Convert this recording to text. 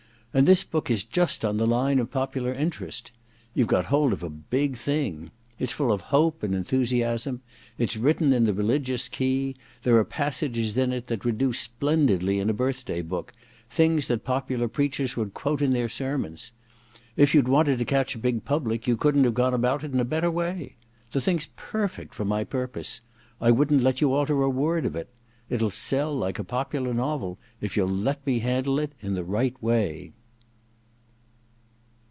And this book is just on the line of popular interest. You've got hold of a big thing. It's full of hope and enthusiasm : it's written in the religious key. There are pass ages in it that would do splendidly in a Birth day Book — ^things that popular preachers would 1 8 THE DESCENT OF MAN ii quote in their sermons. If you*d wanted to catch a big public you couldn't have gone about it in a better way. The thing's perfect for my purpose — I wouldn't let you alter a word of it. It will sell like a popular novel if you'll let me handle it in the right way.'